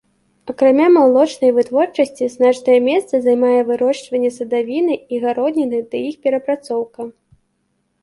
Акрамя малочнай вытворчасці значнае месца займае вырошчванне садавіны і гародніны ды іх перапрацоўка.